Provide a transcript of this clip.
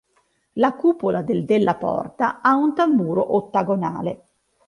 La cupola del Della Porta ha un tamburo ottagonale.